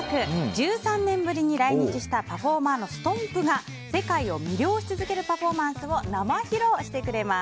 １３年ぶりに来日したパフォーマーのストンプが世界を魅了し続けるパフォーマンスを生披露してくれます。